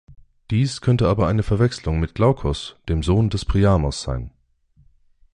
Dies könnte aber eine Verwechselung mit Glaukos, dem Sohn des Priamos, sein.